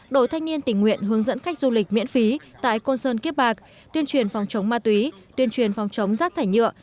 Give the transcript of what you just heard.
đội thanh niên tình nguyện hướng dẫn khách du lịch miễn phí tại côn sơn kiếp bạc tuyên truyền phòng chống ma túy tuyên truyền phòng chống rác thải nhựa